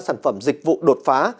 sản phẩm dịch vụ đột phá